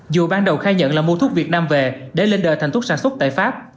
dù ban đầu khai nhận là mua thuốc việt nam về để lên đời thành thuốc sản xuất tại pháp